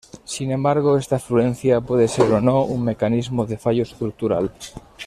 Sin embargo esta fluencia puede ser o no un mecanismo de fallo estructural.